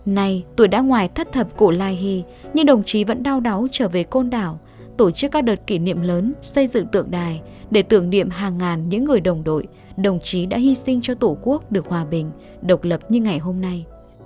nay tuổi đã ngoài thất thập cổ lai hy nhưng đồng chí vẫn đau đáu trở về côn đảo tổ chức các đợt kỷ niệm lớn xây dựng tượng đài để tưởng niệm hàng ngàn những người đồng đội đồng chí đã hy sinh cho tổ quốc được hòa bình độc lập như ngày hôm nay